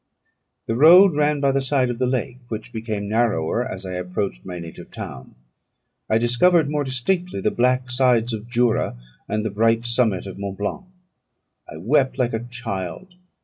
The road ran by the side of the lake, which became narrower as I approached my native town. I discovered more distinctly the black sides of Jura, and the bright summit of Mont Blanc. I wept like a child.